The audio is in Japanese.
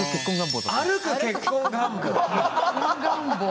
歩く結婚願望。